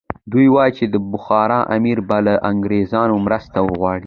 دی وایي چې د بخارا امیر به له انګریزانو مرسته وغواړي.